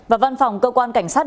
và văn phòng cơ quan cảnh sát